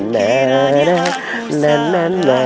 nah nah nah nah nah nah